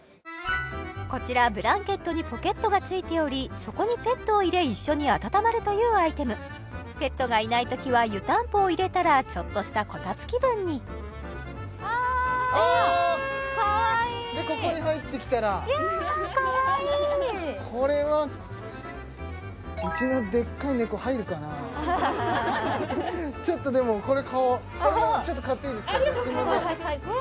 こちらブランケットにポケットが付いておりそこにペットを入れ一緒に温まるというアイテムペットがいないときは湯たんぽを入れたらちょっとしたこたつ気分にあかわいいでここに入ってきたらいやかわいいこれはこれもちょっと買っていいですかすみません